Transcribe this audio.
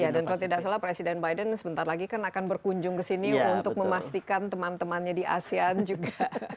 ya dan kalau tidak salah presiden biden sebentar lagi kan akan berkunjung ke sini untuk memastikan teman temannya di asean juga